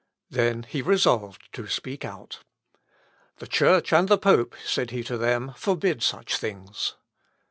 Then he resolved to speak out. "The Church and the pope," said he to them, "forbid such things."